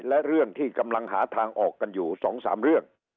และเรื่องที่กำลังหาทางออกกันอยู่๒๓เรื่อง